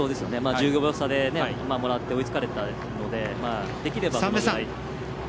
１５秒差でもらって追いつかれたので。